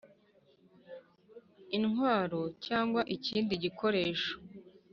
intwaro cyangwa ikindi gikoresho